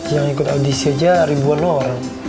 yang ikut audisi aja ribuan orang